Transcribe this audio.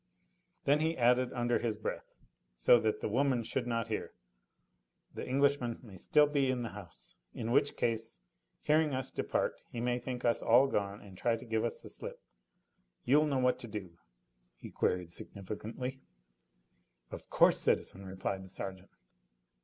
Then he added under his breath, so that the women should not hear: "The Englishman may still be in the house. In which case, hearing us depart, he may think us all gone and try to give us the slip. You'll know what to do?" he queried significantly. "Of course, citizen," replied the sergeant.